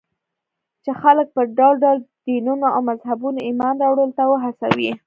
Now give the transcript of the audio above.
چې خلک پر ډول ډول دينونو او مذهبونو ايمان راوړلو ته وهڅوي.